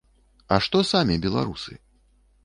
А што самі беларусы?